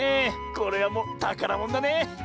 これはもうたからものだね！